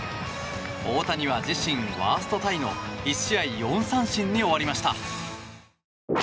大谷は自身ワーストタイの１試合４三振に終わりました。